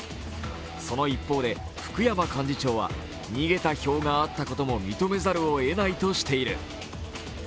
その一方で、福山幹事長は逃げた票があったことも認めざるをえないとしている。